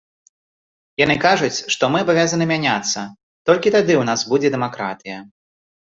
Яны кажуць, што мы абавязаны мяняцца, толькі тады ў нас будзе дэмакратыя.